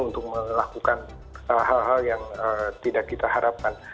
untuk melakukan hal hal yang tidak kita harapkan